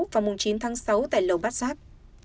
và chín tháng sáu tại lầu bát giác